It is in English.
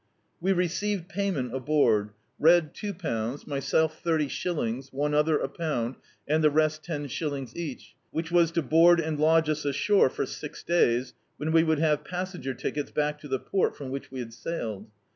We received payment aboard — Red two pounds, myself thirty shillings, one other a pound, and the rest ten shilling each, which was to board and lodge us ashore for six days, when we would have passenger tickets back to die port from which we had sailed.